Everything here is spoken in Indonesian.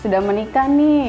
dan perasa rana